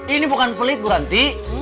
ini bukan pelit gue ganti